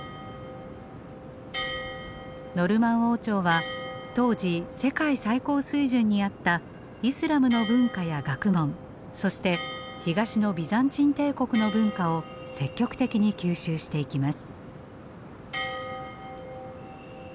ノルマン王朝は当時世界最高水準にあったイスラムの文化や学問そして東のビザンチン帝国の文化を積極的に吸収していきます。